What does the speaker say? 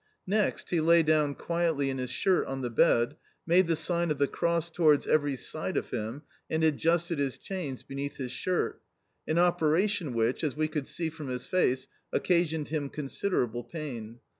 Next, he lay down quietly in his shirt on the bed, made the sign of the cross towards every side of him, and adjusted his chains beneath his shirt an operation which, as we could see from his face, occasioned him considerable pain.